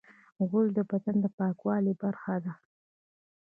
غول د بدن د پاکوالي برخه ده.